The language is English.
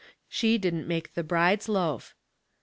She didn't make the bride's loaf.